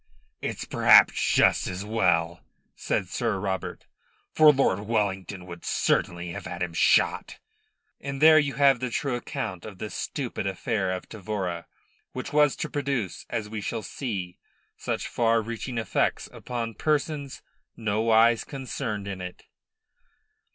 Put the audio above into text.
"It's perhaps just as well," said Sir Robert. "For Lord Wellington would certainly have had him shot." And there you have the true account of the stupid affair of Tavora, which was to produce, as we shall see, such far reaching effects upon persons nowise concerned in it.